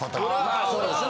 まあそうですね。